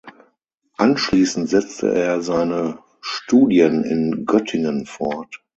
Anschließend setzte er seine Studien in Göttingen fort.